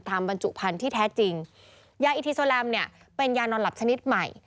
บรรจุพันธุ์ที่แท้จริงยาอิทีโซแลมเนี่ยเป็นยานอนหลับชนิดใหม่